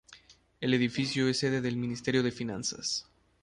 El edificio es sede del Ministerio de Finanzas.